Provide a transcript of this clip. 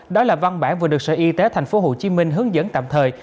đó là văn bản vừa được sở y tế tp hcm hướng dẫn tạm thời